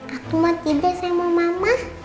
aku mau tidak sama mama